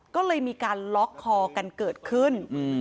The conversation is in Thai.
ก็เลยมีการล็อกคอกันเกิดขึ้น